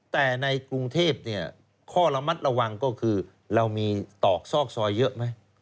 แต่ในกรุงเทพข้อระมัดระวังก็คือเรามีตอกซอกซอยเยอะไหม